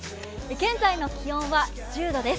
現在の気温は１０度です。